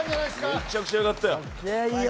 めちゃくちゃ良かったよ。